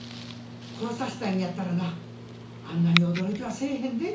殺させたんやったらなあんなに驚きはせえへんで。